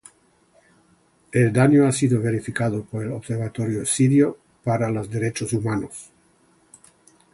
El daño ha sido verificado por el Observatorio Sirio para los Derechos Humanos.